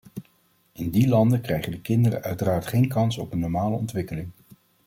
In die landen krijgen de kinderen uiteraard geen kans op een normale ontwikkeling.